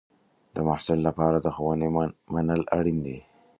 د محصل لپاره د ښوونې منل اړین دی.